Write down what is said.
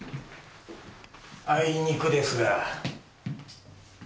あいにくですが。